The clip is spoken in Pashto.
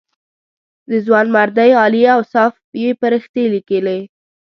د ځوانمردۍ عالي اوصاف یې فرښتې لیکلې.